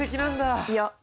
いや。